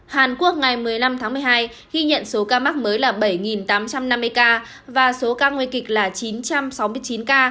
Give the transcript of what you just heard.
hàn quốc ngày một mươi năm tháng một mươi hai ghi nhận số ca mắc mới là bảy tám trăm năm mươi ca và số ca nguy kịch là chín trăm sáu mươi chín ca